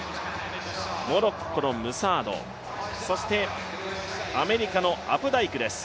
モロッコのムサードそしてアメリカのアプダイクです。